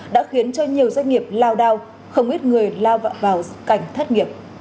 đã khiến cho nhiều doanh nghiệp lao đao không ít người lao vào cảnh thất nghiệp